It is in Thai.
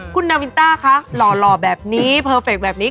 คุณนาวินต้าคะหล่อแบบนี้เพอร์เฟคแบบนี้